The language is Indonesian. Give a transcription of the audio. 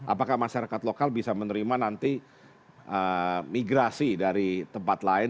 apakah masyarakat lokal bisa menerima nanti migrasi dari tempat lain